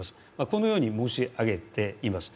このように申し上げています。